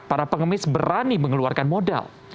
para pengemis berani mengeluarkan modal